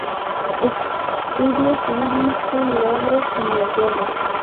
Estudios Livingston, Londres, Inglaterra.